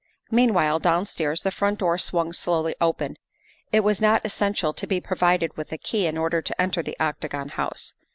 Meanwhile downstairs the front door swung slowly open; it was not essential to be provided with a key in order to enter the Octagon House.